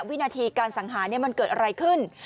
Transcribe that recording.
วินาทีการสังหารมันเกิดอะไรขึ้น